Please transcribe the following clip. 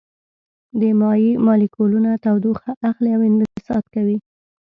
د مایع مالیکولونه تودوخه اخلي او انبساط کوي.